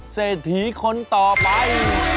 เศรษฐีคนต่อไป